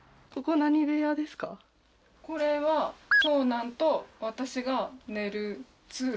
これは長男と私が寝る通路。